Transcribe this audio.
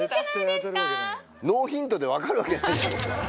ノーヒントで分かるわけないじゃん